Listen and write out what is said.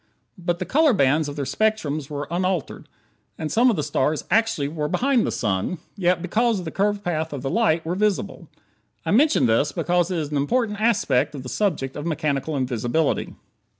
But the color bands of their spectrums were unaltered. And some of the stars actually were behind the sun, yet because of the curved path of the light, were visible. I mention this because it is an important aspect of the subject of mechanical invisibility.